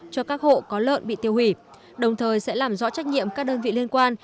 cho các hộ có lợn bị tiêu hủy đồng thời sẽ làm rõ trách nhiệm các đơn vị liên quan